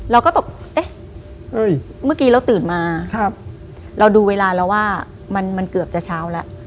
เราก็ตกเอ๊ะเมื่อกี้เราตื่นมาเราดูเวลาแล้วว่ามันเกือบจะเช้าแล้ว